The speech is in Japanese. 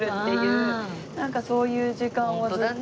なんかそういう時間をずっと。